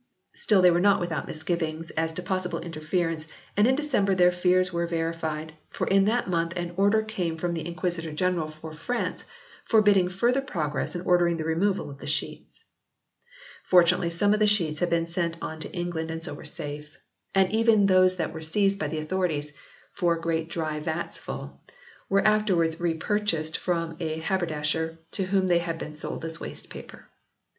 Still they were not without mis givings as to possible interference and in December their fears were verified, for in that month an Order came from the Inquisitor General for France, for bidding further progress and ordering the removal of the sheets. Fortunately some of the sheets had been iv] THE GREAT BIBLE 65 sent on to England and so were safe. And even those that were seized by the authorities, "four great dry vats full/ were afterwards re purchased from a haber dasher, to whom they had been sold as wastepaper.